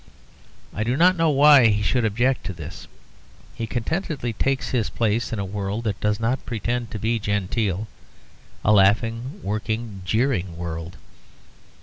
I do not know why he should object to this. He contentedly takes his place in a world that does not pretend to be genteel a laughing, working, jeering world.